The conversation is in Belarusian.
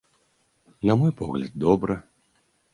На мой погляд, добра.